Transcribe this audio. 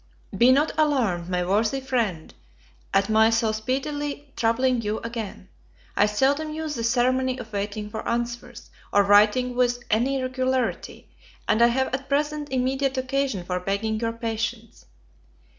BE not alarmed, my worthy friend, at my so speedily troubling you again; I seldom use the ceremony of waiting for answers, or writing with any regularity, and I have at present immediate occasion for begging your patience.